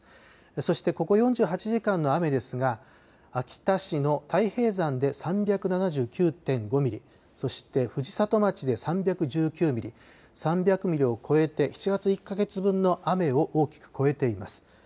そしてここ４８時間の雨ですが雨ですが秋田市の太平山で３７９．５ミリそして、藤里町で３１９ミリと３００ミリを超えて７月１か月分の雨を大きく超えています。